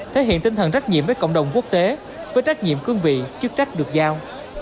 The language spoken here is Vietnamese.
thể hiện tinh thần trách nhiệm với cộng đồng quốc tế với trách nhiệm cương vị chức trách được giao